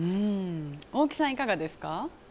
大木さん、いかがですか？